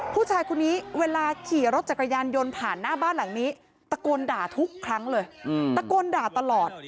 ผู้ชายคนนี้เวลาขี่รถจักรยานยนต์ผ่านหน้าบ้านหลังนี้ตะโกนด่าทุกครั้งเลยตะโกนด่าตลอด